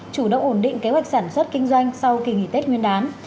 chủ động ổn định kế hoạch sản xuất kinh doanh sau kỳ nghỉ tết nguyên đán